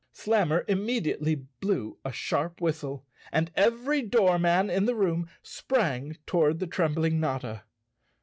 Slammer immediately blew a sharp whistle and every doorman in the room sprang toward the trembling Notta.